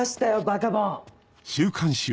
『バカボン』。